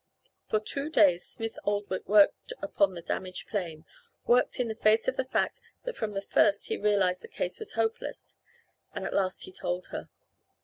For two days Smith Oldwick worked upon the damaged plane worked in the face of the fact that from the first he realized the case was hopeless. And at last he told her.